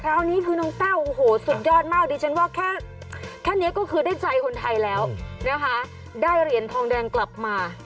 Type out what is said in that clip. คราวนี้คือน้องแต้วโอ้โหสุดยอดมากดิฉันว่าแค่นี้ก็คือได้ใจคนไทยแล้วนะคะได้เหรียญทองแดงกลับมา